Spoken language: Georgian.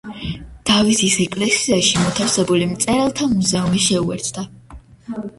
დავითის ეკლესიაში მოთავსებული მწერალთა მუზეუმი შეუერთდა.